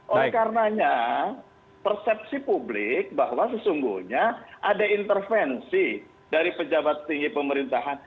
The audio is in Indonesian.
oleh karenanya persepsi publik bahwa sesungguhnya ada intervensi dari pejabat tinggi pemerintahan